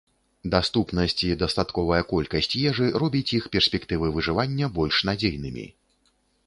Даступнасць і дастатковая колькасць ежы робіць іх перспектывы выжывання больш надзейнымі.